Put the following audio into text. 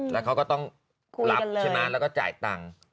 แล้วเขาก็ต้องรับใช่ไหมแล้วก็จ่ายตังค์